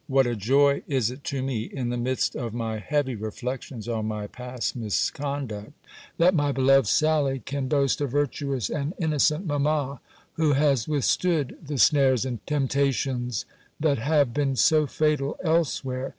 What a joy is it to me, in the midst of my heavy reflections on my past misconduct, that my beloved Sally can boast a virtuous and innocent mamma, who has withstood the snares and temptations, that have been so fatal elsewhere!